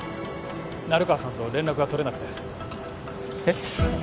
成川さんと連絡が取れなくてえっ？